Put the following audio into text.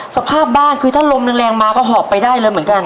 สภาพบ้านคือถ้าลมแรงมาก็หอบไปได้เลยเหมือนกัน